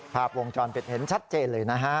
ภาพวงจรปิดเห็นชัดเจนเลยนะฮะ